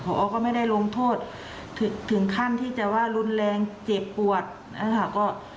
พอก็ไม่ได้ลงโทษถึงขั้นที่จะว่ารุนแรงเจ็บปวดนะคะ